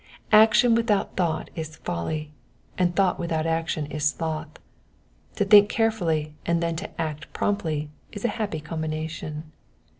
Action without thought is folly, and thought without action is sloth : to think carefully and then to act promptly is a happy combination.